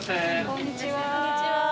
こんにちは。